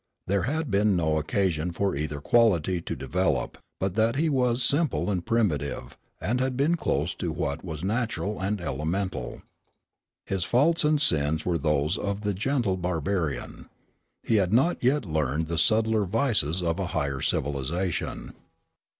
There had been no occasion for either quality to develop; but that he was simple and primitive, and had been close to what was natural and elemental. His faults and sins were those of the gentle barbarian. He had not yet learned the subtler vices of a higher civilization.